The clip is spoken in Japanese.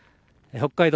北海道